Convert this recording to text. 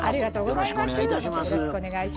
よろしくお願いします。